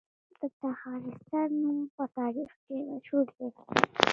د تخارستان نوم په تاریخ کې مشهور دی